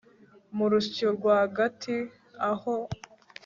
mu rusyo rwagati aho